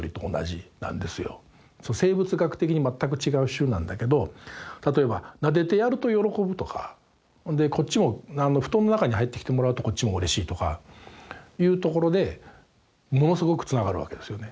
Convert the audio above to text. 生物学的に全く違う種なんだけど例えばなでてやると喜ぶとかほんでこっちも布団の中に入ってきてもらうとこっちもうれしいとかいうところでものすごくつながるわけですよね。